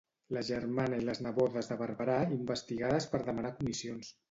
La germana i les nebodes de Barberá investigades per demanar comissions.